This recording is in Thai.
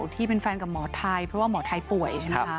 ที่เป็นแฟนกับหมอไทยเพราะว่าหมอไทยป่วย